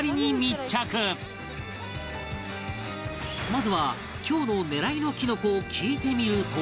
まずは今日の狙いのきのこを聞いてみると